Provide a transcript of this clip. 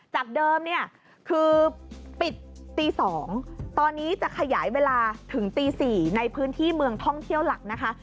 จากเดิมเนี่ยคือปิดตี๒ตอนนี้จะขยายเวลาถึงตี๔ในพื้นที่เมืองท่องเที่ยวหลักนะคะ